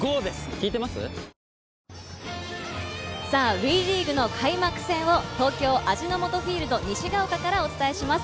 ＷＥリーグの開幕戦を東京・味の素フィールド西が丘からお伝えします。